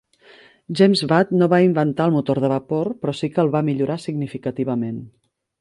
James Watt no va inventar el motor de vapor, però sí que el va millorar significativament.